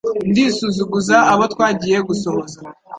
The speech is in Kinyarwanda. Ndi Suzuguza abo twagiye gusohoza.